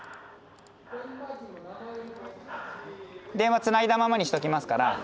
☎電話つないだままにしときますから。